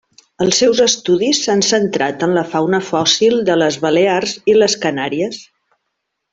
Els seus estudis s'han centrat en la fauna fòssil de les Balears i les Canàries.